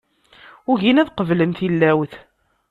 Ugin ad qeblen tillawt.